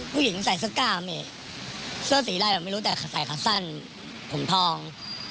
ผู้หญิงใส่สก้ามเสื้อสีไร้ไม่รู้แต่ใส่ขับสั้นผมทอง